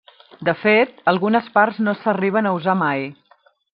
De fet, algunes parts no s'arriben a usar mai.